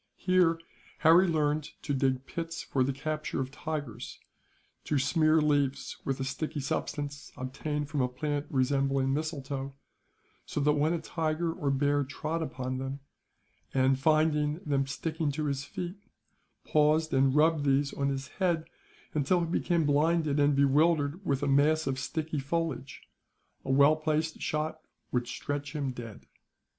Here Harry learned to dig pits for the capture of tigers; to smear leaves with a sticky substance, obtained from a plant resembling mistletoe, so that when a tiger or bear trod upon them and, finding them sticking to his feet, paused and rubbed these on his head, until he became blinded and bewildered with a mass of sticky foliage, a well placed shot would stretch him dead.